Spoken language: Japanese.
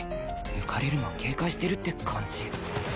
抜かれるのを警戒してるって感じ